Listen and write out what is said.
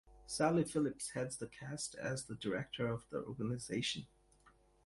Sally Phillips heads the cast as the director of the organization.